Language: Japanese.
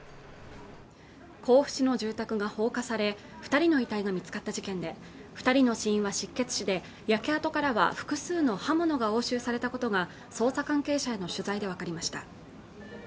甲府市の住宅が放火され二人の遺体が見つかった事件で二人の死因は失血死で焼け跡からは複数の刃物が押収されたことが捜査関係者への取材で分かりました